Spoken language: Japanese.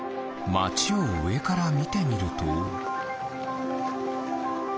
まちをうえからみてみると。